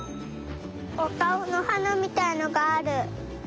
おかおのはなみたいのがある。